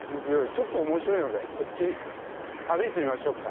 ちょっと面白いのでこっち歩いてみましょうか。